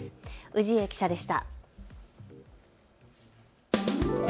氏家記者でした。